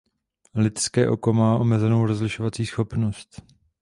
Lidské oko má omezenou rozlišovací schopnost.